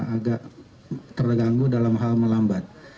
agak terganggu dalam hal melambat